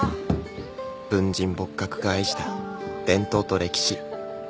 文人墨客が愛した伝統と歴史。